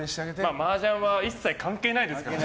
マージャンは一切関係ないですからね。